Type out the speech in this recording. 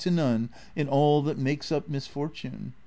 85 to none in all that makes up misfortune.